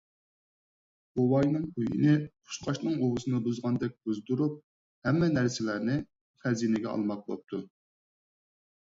بوۋاينىڭ ئۆيىنى قۇشقاچنىڭ ئۇۋىسىنى بۇزغاندەك بۇزدۇرۇپ، ھەممە نەرسىلەرنى خەزىنىگە ئالماق بوپتۇ.